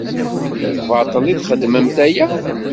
Baṭel i txeddmemt aya?